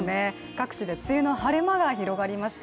各地で梅雨の晴れ間が広がりました。